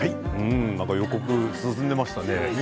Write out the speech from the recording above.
なんか予告、進んでいましたね。